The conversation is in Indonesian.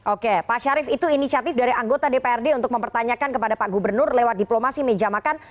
oke pak syarif itu inisiatif dari anggota dprd untuk mempertanyakan kepada pak gubernur lewat diplomasi meja makan